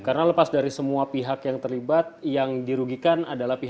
karena lepas dari semua pihak yang terlibat yang dirugikan adalah pihak